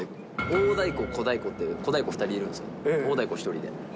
大太鼓、小太鼓と、小太鼓２人いるんですよ、大太鼓１人で。